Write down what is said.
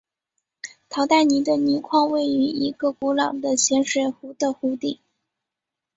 陶代尼的盐矿位于一个古老的咸水湖的湖底。